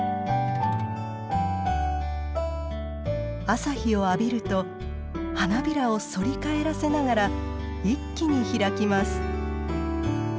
朝日を浴びると花びらを反り返らせながら一気に開きます。